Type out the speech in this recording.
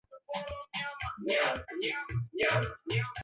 Khartoum ndipo madaktari wanaounga mkono jamuhuri ya demokrasia ya Kongo walisema